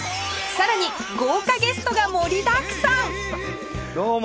さらに豪華ゲストが盛りだくさん！